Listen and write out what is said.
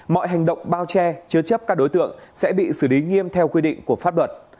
mọi hành động bao che chứa chấp các đối tượng sẽ bị xử lý nghiêm theo quy định của pháp luật